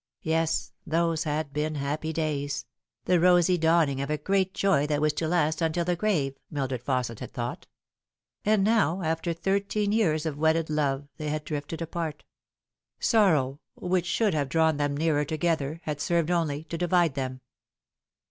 Yes, those had been happy days the rosy dawning of a great joy that was to last until the grave, Mildred Fausset had thought ; and now, after thirteen years of wedded love, they had drifted apart. Sorrow, which should have drawn them nearer together, had Berved only to divide them.